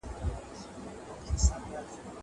زه به سبا د کتابتوننۍ سره خبري کوم!!